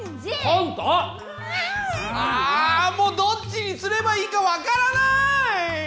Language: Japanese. あもうどっちにすればいいかわからない！